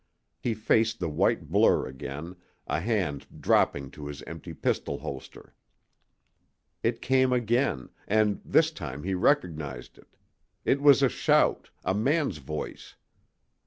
He faced the white blur again, a hand dropping to his empty pistol holster. It came again, and this time he recognized it. It was a shout, a man's voice.